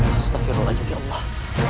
astagfirullahaladzim ya allah